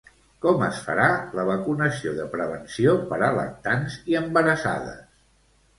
Com es farà la vacunació de prevenció per a lactants i embarassades?